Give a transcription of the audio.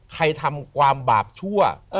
ทำความบาปชั่ว